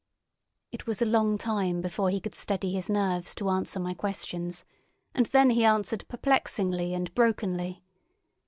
It was a long time before he could steady his nerves to answer my questions, and then he answered perplexingly and brokenly.